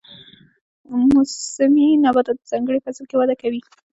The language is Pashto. موسمي نباتات په ځانګړي فصل کې وده کوي